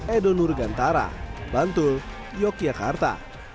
edo nurgantara bantul yogyakarta